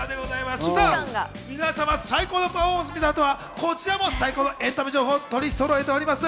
皆様、最高のパフォーマンスを見た後はこちらも最高のエンタメ情報をとりそろえております。